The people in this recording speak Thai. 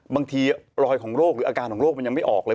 บางทีรอยของโรคหรืออาการของโรคมันยังไม่ออกเลย